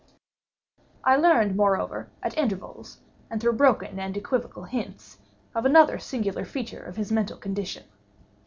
I learned, moreover, at intervals, and through broken and equivocal hints, another singular feature of his mental condition.